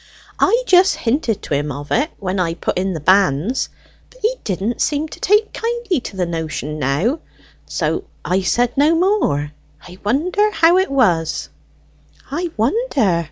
I just hinted to him of it when I put in the banns, but he didn't seem to take kindly to the notion now, and so I said no more. I wonder how it was." "I wonder!"